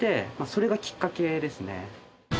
それがきっかけですね。